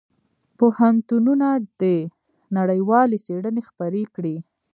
پوهنتونونه دي نړیوالې څېړنې خپرې کړي.